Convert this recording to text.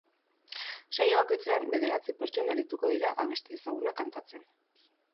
Saio bakoitzean, bederatzi pertsona arituko dira abesti ezagunak kantatzen.